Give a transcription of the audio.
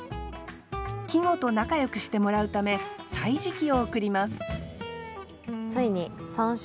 季語と仲よくしてもらうため「歳時記」を贈ります